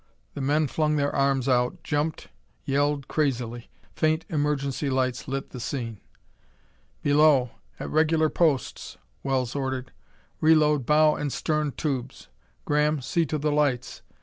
The men flung their arms out, jumped, yelled crazily. Faint emergency lights lit the scene. "Below, at regular posts," Wells ordered. "Reload bow and stern tubes. Graham, see to the lights."